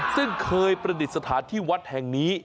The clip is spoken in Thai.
ซึ่งเคยประดิษฐานที่วัดแห่งนี้